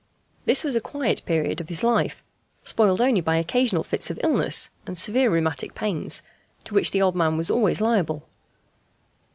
This was a quiet period of his life, spoiled only by occasional fits of illness and severe rheumatic pains, to which the old man was always liable.